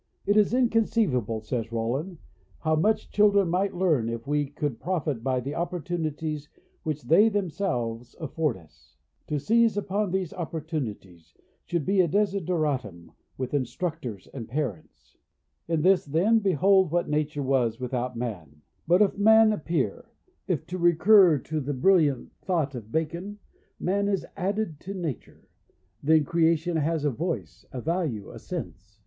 "It is inconceivable," says Rollin, "how much children, might learn if we could profit by the opportunities which they themselves affWd us." To seize upon these opportunities should be a desideratum with instructors and parents. ♦ Extracted from the '"Atlas Methodiqu«," of Natural History. xvi INTRODUCTION. In this, then, behold what nature was without man. ... But if man appear, U, to recur to the brilliant thought of Bacon, "man is added to nature,'" then Creation has a voice, a value, a sense.